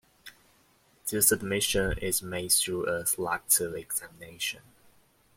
This admission is made through a selective examination.